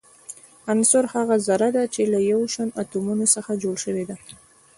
عنصر هغه ذره ده چي له يو شان اتومونو څخه جوړ سوی وي.